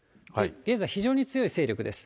現在、非常に強い勢力です。